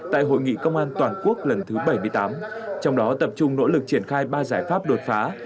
tại hội nghị công an toàn quốc lần thứ bảy mươi tám trong đó tập trung nỗ lực triển khai ba giải pháp đột phá